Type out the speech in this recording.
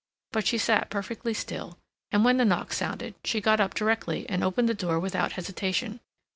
But she sat perfectly still, and when the knock sounded, she got up directly and opened the door without hesitation.